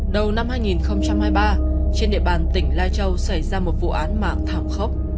đầu năm hai nghìn hai mươi ba trên địa bàn tỉnh lai châu xảy ra một vụ án mạng thảm khốc